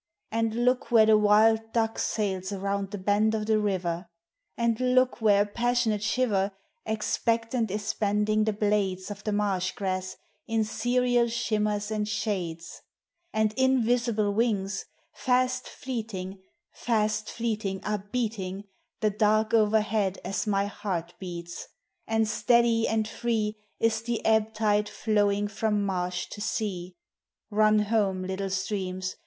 And look where the wild duck sails around the bend of the river; And look where a passionate shiver Expectant is bending the blades Of the marsh grass in serial shimmers and shades; And invisible wings, fast fleeting, f;ist fleeting, are beating The dark overhead as my heart beats; and Bteadv and i'vci' Is the ebb tide flowing from marsh to sea (Run home, little streams.